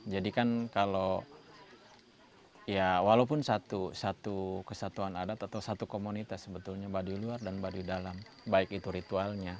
jadi kan kalau ya walaupun satu kesatuan adat atau satu komunitas sebetulnya baduiluar dan baduidalam baik itu ritualnya